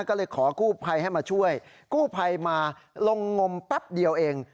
ก็เลยขอกู้ภัยให้มาช่วยกู้ภัยมาลงงมแป๊บเดียวเอง